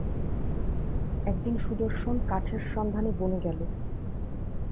একদিন সুদর্শন কাঠের সন্ধানে বনে গেল।